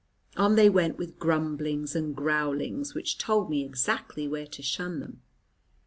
On they went with grumblings and growlings, which told me exactly where to shun them.